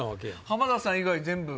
浜田さん以外全部。